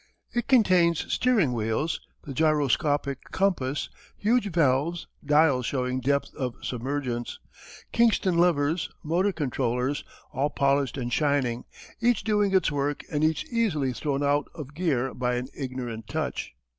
It contains steering wheels, the gyroscopic compass, huge valves, dials showing depth of submergence, Kingston levers, motor controllers, all polished and shining, each doing its work and each easily thrown out of gear by an ignorant touch.